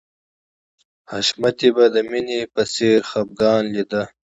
حشمتي به د مینې په څېره کې خفګان لیده